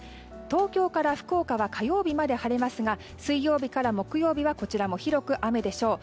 東京から福岡は火曜日まで晴れますが、水曜日から金曜日はこちらも広く雨でしょう。